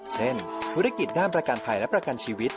เช่นธุรกิจด้านประกันภัยและประกันชีวิต